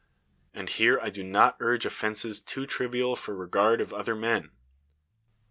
And here I do not urge offenses too trivial for regard of other men.